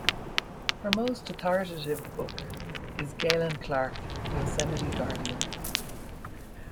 Her most authoritative book is "Galen Clark: Yosemite Guardian".